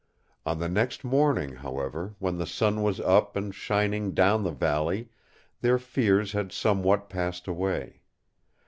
On the next morning, however, when the sun was up and shining down the valley, their fears had somewhat passed away.